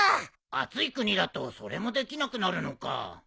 暑い国だとそれもできなくなるのか。